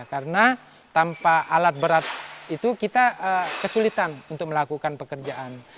karena tanpa alat berat itu kita kesulitan untuk melakukan pekerjaan